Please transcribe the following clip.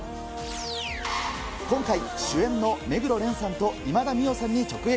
今回、主演の目黒蓮さんと今田美桜さんに直撃。